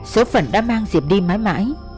số phận đã mang diệp đi mãi mãi